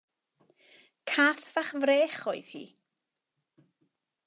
Cath fach frech oedd hi.